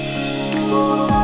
sini kita mulai mencoba